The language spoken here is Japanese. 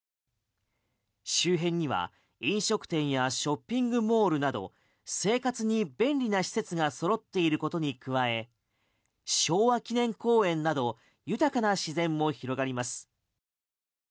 周辺には飲食店やショッピングモールなど生活に便利な施設が揃っていることに加え昭和記念公園など豊かな自然も広がります。